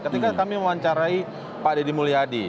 ketika kami mewawancarai pak deddy mulyadi